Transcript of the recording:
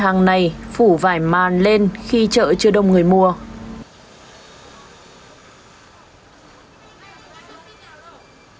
hàng này phủ vải màn lên khi chợ chưa đông người mua